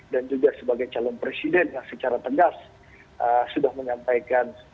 dan juga sebagai calon presiden yang secara tendas sudah menyampaikan